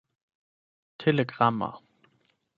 telegrama